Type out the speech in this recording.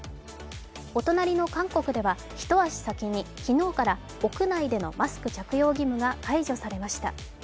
お隣の韓国では、一足先に昨日から屋内でのマスク着用義務が解除されました。